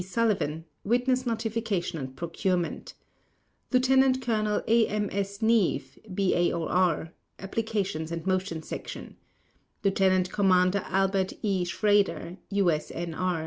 SULLIVAN Witness Notification and Procurement LIEUTENANT COLONEL A. M. S. NEAVE, B.A.O.R. Applications and Motions Section LIEUTENANT COMMANDER ALBERT E. SCHRADER, U.S.N.R.